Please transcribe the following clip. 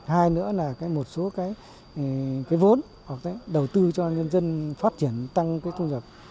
hai nữa là một số vốn đầu tư cho nhân dân phát triển tăng thu nhập